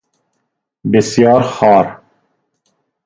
بسیار خوار